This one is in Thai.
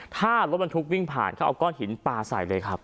ถ้ารถบรรทุกวิ่งผ่านเขาเอาก้อนหินปลาใส่เลยครับ